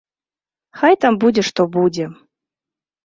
Хай там будзе што будзе!